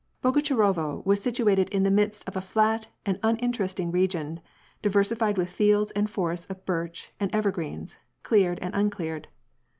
Bogucharovo was situated in the midst of a fiat and uninter esting region, diversified with fields and forests of birch and evergreens, cleared and uncleared.